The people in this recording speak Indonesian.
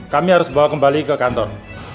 kami harus bawa kembali ke kantor